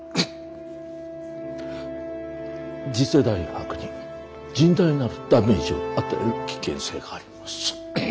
次世代博に甚大なるダメージを与える危険性があります。